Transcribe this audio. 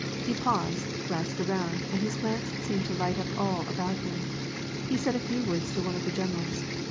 He paused, glanced around, and his glance seemed to light up all about him. He said a few words to one of the generals.